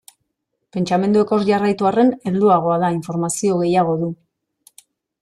Pentsamenduek hor jarraitu arren, helduagoa da, informazio gehiago du.